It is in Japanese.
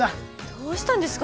どうしたんですか？